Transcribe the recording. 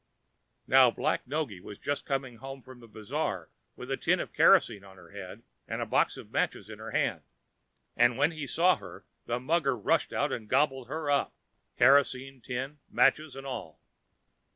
Now, Black Noggy was just coming home from the bazaar with a tin of kerosene on her head and a box of matches in her hand. And when he saw her the mugger rushed out and gobbled her up, kerosene tin, matches, and all!!!